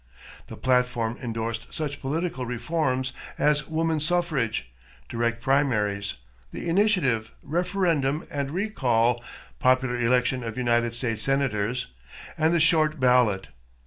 The platform endorsed such political reforms as woman suffrage, direct primaries, the initiative, referendum, and recall, popular election of United States Senators, and the short ballot.